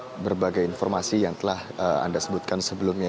polisi juga mengetahui berbagai informasi yang telah anda sebutkan sebelumnya